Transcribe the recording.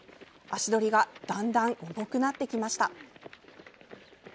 足取りがだんだん重くなってきました。